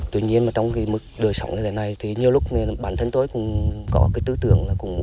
tuy nhiên trong mức đời sống như thế này nhiều lúc bản thân tôi cũng có tư tưởng